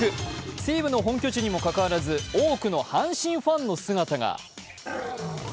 西武の本拠地にもかかわらず多くの阪神ファンの姿が。